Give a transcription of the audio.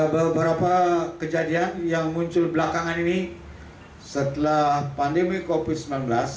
beberapa kejadian yang muncul belakangan ini setelah pandemi covid sembilan belas